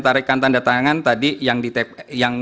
tarikan tanda tangan tadi yang